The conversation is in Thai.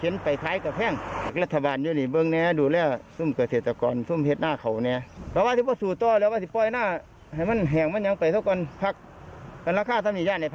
อ๋อนั่งข้างไว้ปล่อยปล่อยไปปล่อยได้